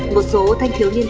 một số thanh thiếu niên